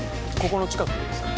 ここの近くですか？